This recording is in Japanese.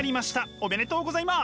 おめでとうございます！